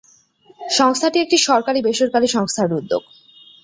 সংস্থাটি একটি সরকারী-বেসরকারী সংস্থার উদ্যোগ।